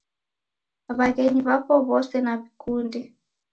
W'aghenyi w'apo w'ose naw'ikunde